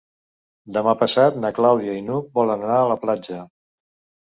Demà passat na Clàudia i n'Hug volen anar a la platja.